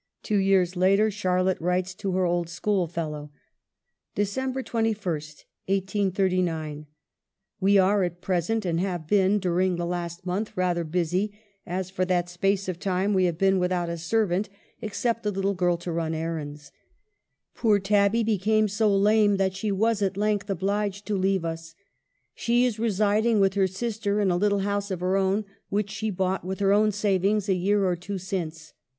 Two years later, Charlotte writes to her old schoolfellow : "December 21, 1839. "We are at present, and have been during the last month, rather busy, as for that space of time we have been without a servant, except a GIRLHOOD AT HA WORTH. 89 little girl to run errands. Poor Tabby became so lame that she was at length obliged to leave us. She is residing with her sister, in a little house of her own, which she bought with her own savings a year or two since.